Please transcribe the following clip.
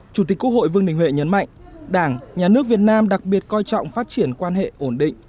chủ tịch quốc hội vương đình huệ nhấn mạnh đảng nhà nước việt nam đặc biệt coi trọng phát triển quan hệ ổn định